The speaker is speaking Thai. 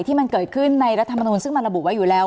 ที่มันเกิดขึ้นในรัฐมนูลซึ่งมันระบุไว้อยู่แล้ว